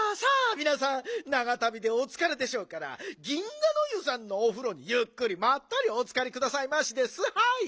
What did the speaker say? みなさんながたびでおつかれでしょうから銀河ノ湯さんのおふろにゆっくりまったりおつかりくださいましですはい！